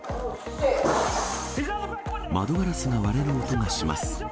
窓ガラスが割れる音がします。